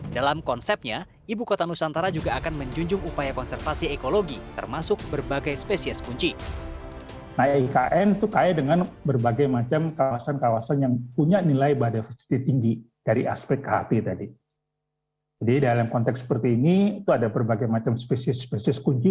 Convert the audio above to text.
dalam konsepnya ibu kota nusantara juga akan menjunjung upaya konservasi ekologi termasuk berbagai spesies kunci tinggi